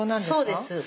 そうです。